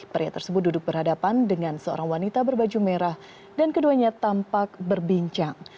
pria tersebut duduk berhadapan dengan seorang wanita berbaju merah dan keduanya tampak berbincang